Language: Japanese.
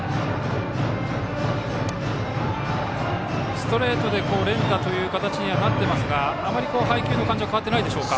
ストレートで連打という形にはなっていますがあまり配球の感じは変わっていないでしょうか。